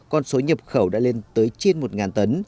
con số nhập khẩu đã lên tới trên một tấn